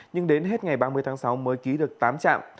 nhưng đến hết ngày ba mươi tháng sáu mới ký được tám trạm